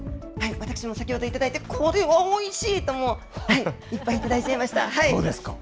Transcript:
私も先ほど頂いて、これはおいしいと、いっぱい頂いちゃいました。